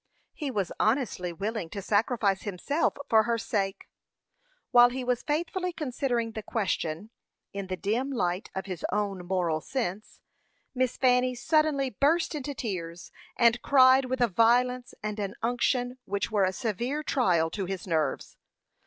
He was honestly willing to sacrifice himself for her sake. While he was faithfully considering the question, in the dim light of his own moral sense, Miss Fanny suddenly burst into tears, and cried with a violence and an unction which were a severe trial to his nerves.